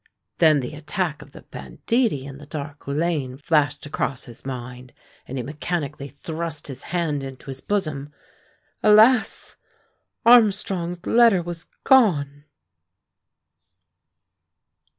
Then the attack of the banditti in the dark lane flashed across his mind; and he mechanically thrust his hand into his bosom. Alas! Armstrong's letter was gone!